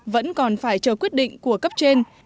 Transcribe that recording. vẫn còn phải chờ quyết định của cấp trên